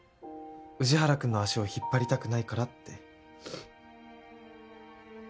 宇治原くんの足を引っ張りたくないからって。